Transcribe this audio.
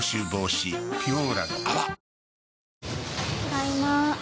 ただいま。